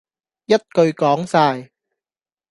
一句講哂